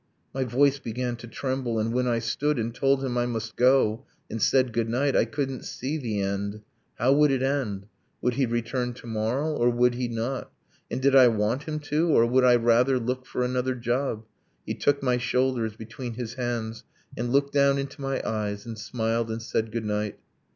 My voice began to tremble ... and when I stood, And told him I must go, and said good night I couldn't see the end. How would it end? Would he return to morrow? Or would he not? And did I want him to or would I rather Look for another job? He took my shoulders Between his hands, and looked down into my eyes, And smiled, and said good night.